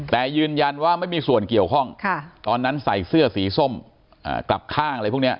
แต่ยืนยันว่าไม่มีส่วนเกี่ยวข้องตอนนั้นใส่เสื้อสีส้มกลับข้างอะไรพวกนี้